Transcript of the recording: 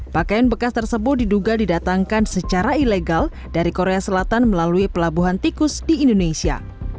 pakaian bekas tersebut diduga didatangkan secara ilegal dari korea selatan melalui pelabuhan tikus di indonesia